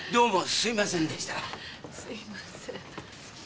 すみません。